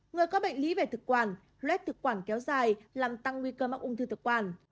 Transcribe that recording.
người có bệnh lý về thực quản luét thực quản kéo dài làm tăng nguy cơ mắc ung thư thực quản